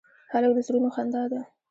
هلک د زړونو خندا ده.